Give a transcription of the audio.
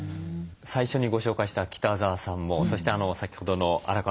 最初にご紹介した北澤さんもそして先ほどの荒川さんご夫妻もですね